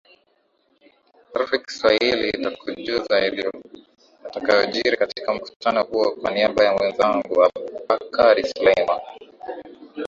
rfi kiswahili itakujuza yatakaojiri katika mkutano huo kwa niaba ya mwenzangu abubakari suleiman